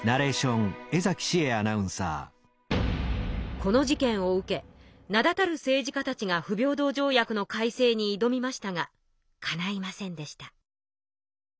この事件を受け名だたる政治家たちが不平等条約の改正に挑みましたがかないませんでした。